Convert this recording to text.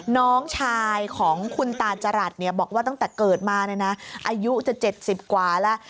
น้องชายของคุณตาจรัสบอกว่าตั้งแต่เกิดมาอายุจะ๗๐กว่าแล้ว